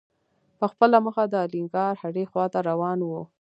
په خپله مخه د الینګار هډې خواته روان و.